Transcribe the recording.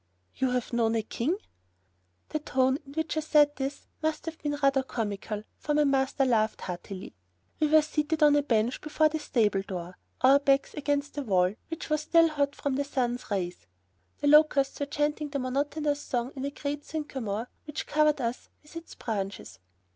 "You have known a king!" The tone in which I said this must have been rather comical, for my master laughed heartily. We were seated on a bench before the stable door, our backs against the wall, which, was still hot from the sun's rays. The locusts were chanting their monotonous song in a great sycamore which covered us with its branches.